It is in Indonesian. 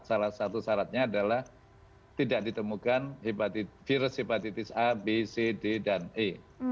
salah satu syaratnya adalah tidak ditemukan virus hepatitis a b c d dan e